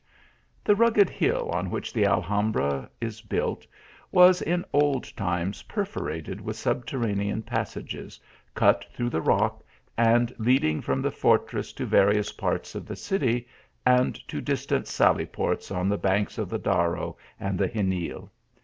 The rugged hill on which the Alhambra is built was in old times perforated with subterranean, pas sages, cut through the rock, and leading from the fortress to various parts of the city, and to distant sally ports on the banks of the Darro and the Xenil.